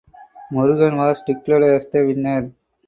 Murugan was declared as the winner.